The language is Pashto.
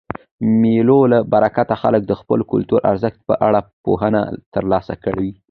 د مېلو له برکته خلک د خپلو کلتوري ارزښتو په اړه پوهه ترلاسه کوي.